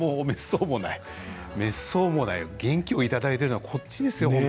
めっそうもない、元気をいただいているのはこっちですよ